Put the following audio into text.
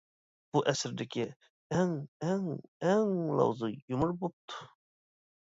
بۇ ئەسىردىكى ئەڭ ئەڭ ئەڭ لاۋزا يۇمۇر بوپتۇ!